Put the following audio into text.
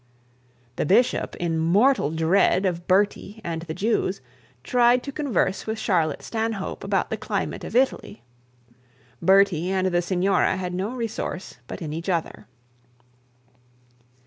The bishop, in mortal dread of Bertie and the Jews, tried to converse with Charlotte Stanhope about the climate of Italy. Bertie and the signora had not resource but in each other.